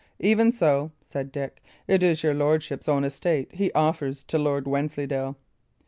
"Even so," said Dick. "It is your lordship's own estate he offers to Lord Wensleydale?"